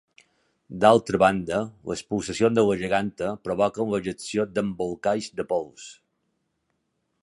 D'altra banda, les pulsacions de la geganta provoquen l'ejecció d'embolcalls de pols.